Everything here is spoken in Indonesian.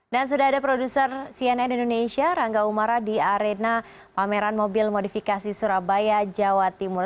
dan sudah ada produser cnn indonesia rangga umara di arena pameran mobil modifikasi surabaya jawa timur